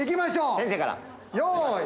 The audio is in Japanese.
先生から。